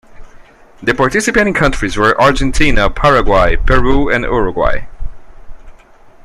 The participating countries were Argentina, Paraguay, Peru, and Uruguay.